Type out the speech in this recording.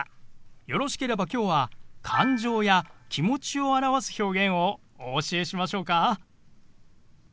よろしければきょうは感情や気持ちを表す表現をお教えしましょうか？